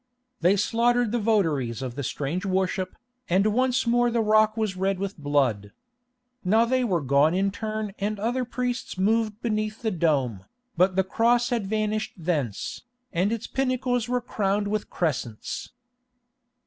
They slaughtered the votaries of the strange worship, and once more the rock was red with blood. Now they were gone in turn and other priests moved beneath the dome, but the Cross had vanished thence, and its pinnacles were crowned with crescents.